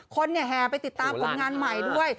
คนเนี่ยแฮมไปติดตามผลงานใหม่ด้วย